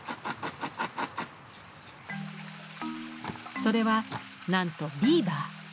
それはなんとビーバー。